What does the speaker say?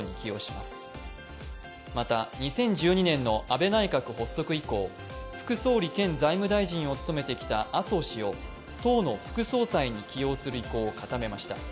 また、２０１２年の安倍内閣発足以降副総理兼財務大臣を務めてきた麻生氏を党の副総裁に起用する意向を固めました。